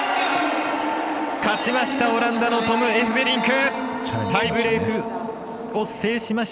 勝ちました、オランダのトム・エフベリンク！